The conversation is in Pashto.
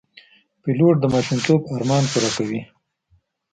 پیلوټ د ماشومتوب ارمان پوره کوي.